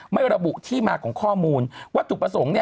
ไม่ระบุที่มาของข้อมูลวัตถุประสงค์